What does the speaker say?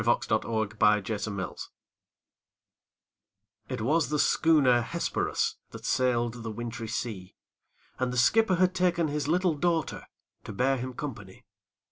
THE WRECK OF THE HESPERUS It was the schooner Hesperus, That sailed the wintry sea; And the skipper had taken his little daughter, To bear him company.